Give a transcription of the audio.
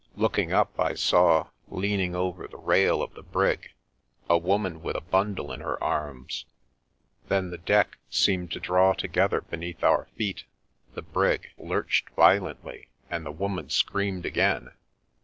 Looking up I saw, leaning over the rail of the brig, a woman with a bundle in her arms. Then the deck seemed to draw together beneath our feet, the brig lurched violently, and the woman screamed again.